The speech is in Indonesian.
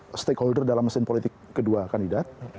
stakeholder dalam mesin politik kedua kandidat